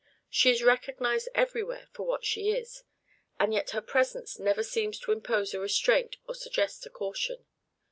She is recognized everywhere for what she is; and yet her presence never seems to impose a restraint or suggest a caution.